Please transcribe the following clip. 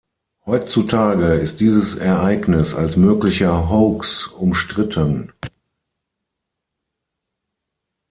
Heutzutage ist dieses Ereignis als möglicher Hoax umstritten.